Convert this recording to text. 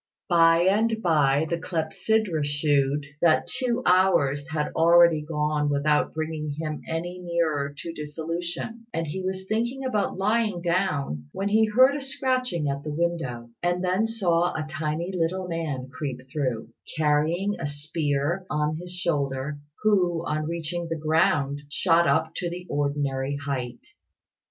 By and by, the clepsydra shewed that two hours had already gone without bringing him any nearer to dissolution; and he was thinking about lying down, when he heard a scratching at the window, and then saw a tiny little man creep through, carrying a spear on his shoulder, who, on reaching the ground, shot up to the ordinary height.